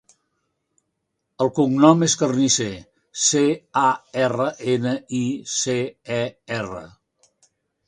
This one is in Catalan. El cognom és Carnicer: ce, a, erra, ena, i, ce, e, erra.